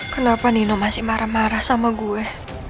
kenapa nino masih marah marah sama gue